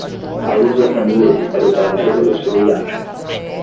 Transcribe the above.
A lusofonia se espalhou pela América do Sul e África